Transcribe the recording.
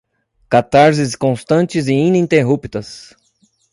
Catarses constantes e ininterruptas